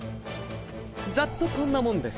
ざっとこんなもんです。